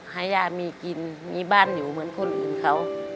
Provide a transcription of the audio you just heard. ให้ย่ามีกินมีบ้านอยู่เหมือนคนอื่นเขา